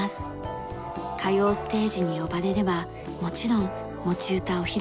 歌謡ステージに呼ばれればもちろん持ち歌を披露します。